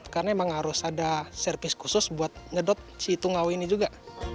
karena emang harus ada servis khusus buat ngedot si tungau ini juga